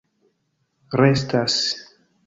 restas